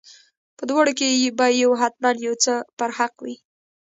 په دواړو کې به یو حتما یو څه پر حق وي.